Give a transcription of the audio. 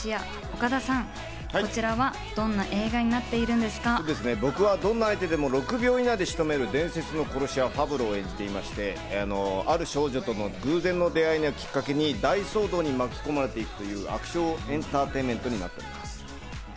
岡田さん、こちらはどんな映画になっている僕はどんな相手でも６秒以内で仕留める伝説の殺し屋・ファブルを演じていまして、ある少女との偶然の出会いをきっかけに大騒動に巻き込まれていくというアクションエンターテインメントになっております。